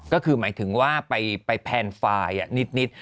ก็คือหมายถึงว่าไปแพนไฟล์นิด